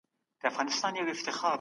عرضه د مارکیټ اساسي رکن دی.